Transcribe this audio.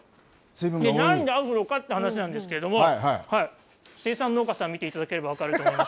なんでアフロかという話なんですけども、生産農家さん、見ていただければわかると思います。